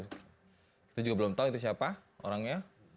kita juga belum tahu itu siapa orangnya